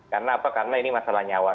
karena apa karena ini masalah nyawa